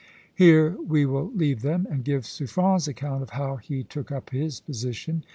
Here we will leave them, and give Suffren's account of how he took up his position.